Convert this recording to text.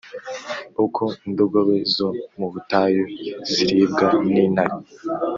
Uko indogobe zo mu butayu ziribwa n’intare,